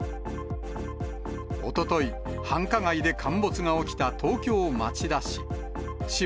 おととい、繁華街で陥没が起きた東京・町田市。